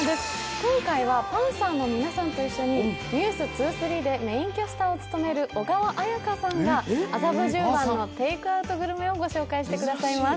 今回はパンサーの皆さんと一緒に「ｎｅｗｓ２３」でメインキャスターを務める小川彩佳さんが麻布十番のテイクアウトグルメをご紹介してくださいます。